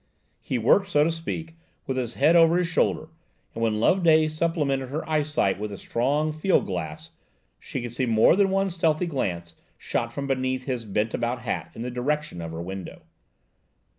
He worked, so to speak, with his head over his shoulder, and when Loveday supplemented her eyesight with a strong field glass, she could see more than one stealthy glance shot from beneath his bent about hat in the direction of her window.